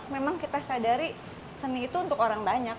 memang kita sadari seni itu untuk orang banyak